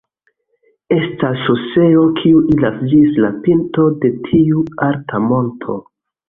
Estas ŝoseo kiu iras ĝis la pinto de tiu alta monto.